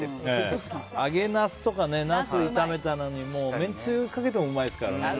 揚げナスとかナス炒めたのにめんつゆかけてもうまいですからね。